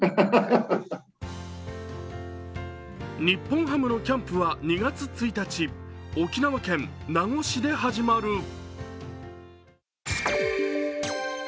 日本ハムのキャンプは２月１日沖縄県名護市で始まる。